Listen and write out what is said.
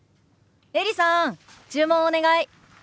エリさん注文お願い。